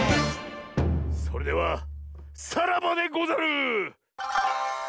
それではさらばでござる！